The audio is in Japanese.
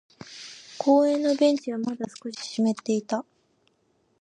公園のベンチはまだ少し湿っていた。